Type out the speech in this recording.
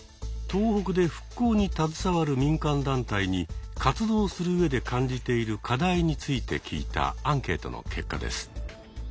東北で復興に携わる民間団体に活動するうえで感じている課題について聞いたアンケートの結果です。